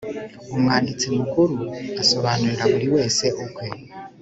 umwanditsi mukuru asobanurira buri wese ukwe